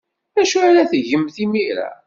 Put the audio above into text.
D acu ara tgemt imir-a?